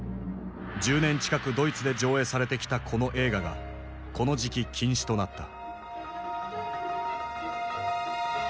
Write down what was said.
１０年近くドイツで上映されてきたこの映画がこの時期禁止となった。